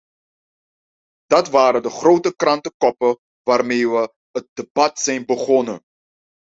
Dat waren de grote krantenkoppen waarmee we het debat zijn begonnen.